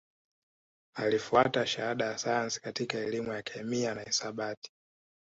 Alifuata Shahada ya Sayansi katika Elimu ya Kemia na Hisabati